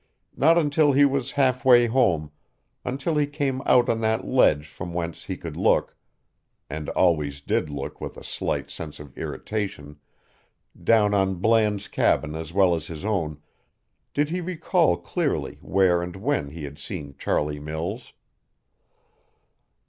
Not until he was half way home, until he came out on that ledge from whence he could look and always did look with a slight sense of irritation down on Bland's cabin as well as his own, did he recall clearly where and when he had seen Charlie Mills.